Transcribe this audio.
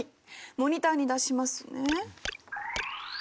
モニターに出しますね。